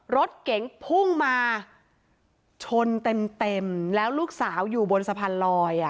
รถเก๋งพุ่งมาชนเต็มแล้วลูกสาวอยู่บนสะพานลอย